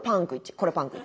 これパンク１。